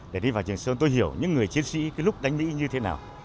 để đi vào trường sơn tôi hiểu những người chiến sĩ lúc đánh mỹ như thế nào